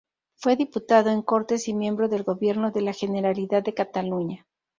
Fue diputado en Cortes y miembro del gobierno de la Generalidad de Cataluña.